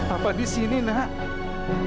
apa disini nak